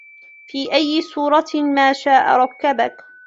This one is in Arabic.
فِي أَيِّ صُورَةٍ مَا شَاءَ رَكَّبَكَ